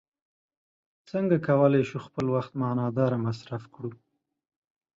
څنګه کولی شو خپل وخت معنا داره مصرف کړو.